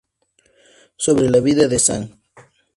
Sobre la vida de Zhang.